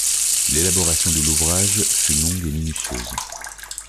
L'élaboration de l'ouvrage fut longue et minutieuse.